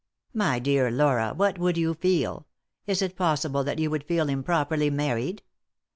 " My dear Laura, what would you feel ? Is it possible that you would feel improperly married